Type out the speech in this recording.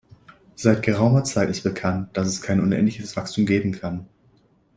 Seit geraumer Zeit ist bekannt, dass es kein unendliches Wachstum geben kann.